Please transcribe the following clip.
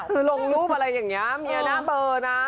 คือลงรูปอะไรอย่างนี้เมียหน้าเบอร์นะ